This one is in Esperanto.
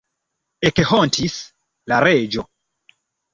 Ekhontis la reĝo.